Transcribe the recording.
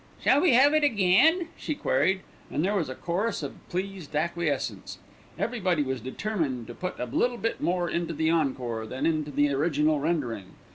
"Shall we have it again?" she queried, and there was a chorus of pleased acquiescence. Everybody was determined to put a little bit more into the encore than into the original rendering.